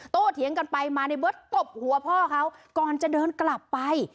เถียงกันไปมาในเบิร์ตตบหัวพ่อเขาก่อนจะเดินกลับไป